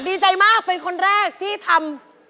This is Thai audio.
ดีใจมากเป็นคนแรกที่ทำ